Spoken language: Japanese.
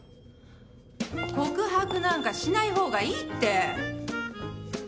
告白なんかしないほうがいいって！